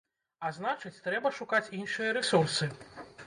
А значыць, трэба шукаць іншыя рэсурсы.